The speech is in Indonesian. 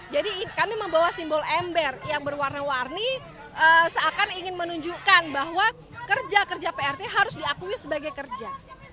jadi kami membawa simbol ember yang berwarna warni seakan ingin menunjukkan bahwa kerja kerja prt harus diakui sebagai kerja